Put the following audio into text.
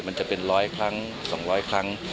มันจะเป็น๑๐๐ครั้ง๒๐๐ครั้ง